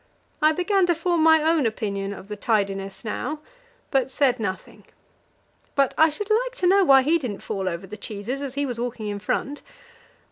I began to form my own opinion of the tidiness now, but said nothing. But I should like to know why he didn't fall over the cheeses, as he was walking in front.